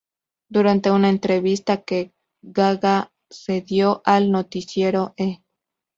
Durante una entrevista que Gaga cedió al noticiero E!